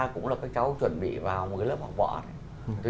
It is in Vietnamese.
cũng là các cháu